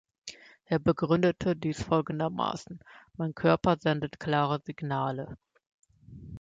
Er begründete dies folgendermaßen: „Mein Körper sendet klare Signale.